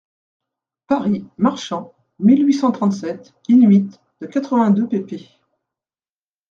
Paris, Marchant, mille huit cent trente-sept, in-huit de quatre-vingt-deux pp.